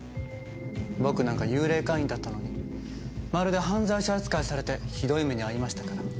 僕なんか幽霊会員だったのにまるで犯罪者扱いされてひどい目に遭いましたから。